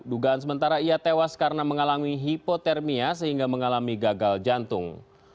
dugaan sementara ia tewas karena mengalami hipotermia sehingga mengalami gagal jantung